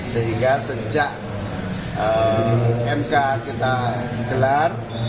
sehingga sejak mk kita gelar